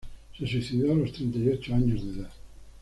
Se suicidó a los treinta y ocho años de edad.